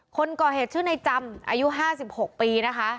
คนก่อเหตุชื่อในจำอายุ๕๖ปีนะคะ